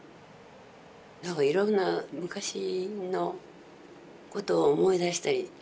何かいろんな昔のことを思い出したりはしますね。